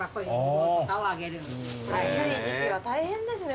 暑い時季は大変ですね。